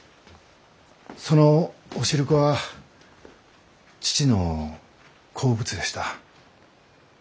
そのお汁粉は父の好物でした。